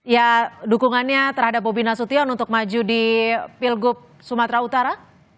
ya dukungannya terhadap bobi nasution untuk maju di pilgub sumatera utara